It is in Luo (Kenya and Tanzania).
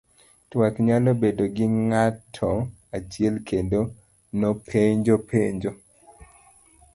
Twak nyalo bedo gi ng'ato achiel kende mapenjo penjo.